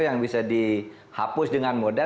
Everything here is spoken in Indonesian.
yang bisa dihapus dengan mudah